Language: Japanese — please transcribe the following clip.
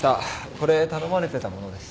これ頼まれてたものです。